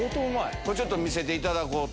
これちょっと見せていただこうと。